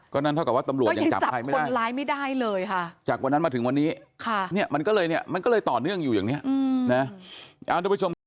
ก็นั่นเท่ากับว่าตำรวจยังจับใครไม่ได้ค่ะจากวันนั้นมาถึงวันนี้เนี่ยมันก็เลยต่อเนื่องอยู่อย่างเนี่ยเอาล่ะทุกผู้ชม